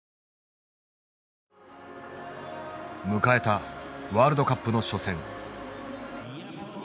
迎えたワールドカップの初戦。